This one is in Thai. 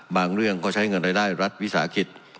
เรื่องก็ใช้เงินรายได้รัฐวิสาหกิจ